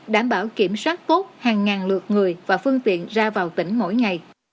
đảm bảo kiểm soát tốt hàng ngàn lượt người và phương tiện ra vào tỉnh mỗi ngày